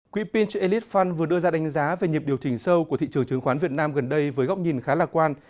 quỹ pinch elite fund vừa đưa ra đánh giá về nhịp điều chỉnh sâu của thị trường chứng khoán việt nam gần đây với góc nhìn khá lạc quan